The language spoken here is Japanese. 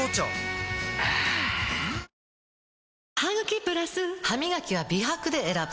あぁハミガキは美白で選ぶ！